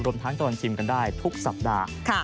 ทั้งตลอดชิมกันได้ทุกสัปดาห์